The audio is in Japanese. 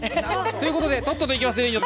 ということでとっとといきます。